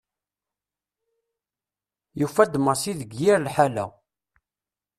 Yufa-d Massi deg yir lḥala.